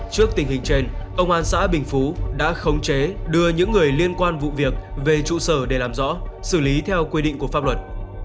trước tình hình trên công an xã bình phú đã khống chế đưa những người liên quan vụ việc về trụ sở để làm rõ xử lý theo quy định của pháp luật